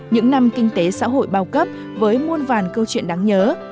những năm kinh tế xã hội bao cấp với muôn vàn câu chuyện đáng nhớ